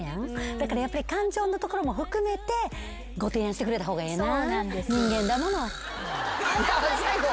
だからやっぱり感情のところも含めてご提案してくれた方がええな。